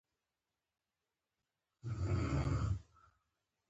زړو کسانو به د آرام ژوند هیله لرله.